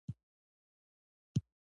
احمد ګوړۍ شو.